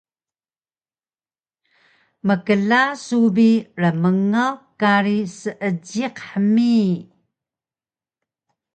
Mkla su bi rmngaw kari Seejiq hmi!